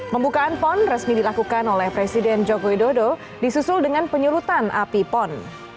pembukaan pon resmi dilakukan oleh presiden joko widodo disusul dengan penyulutan api pon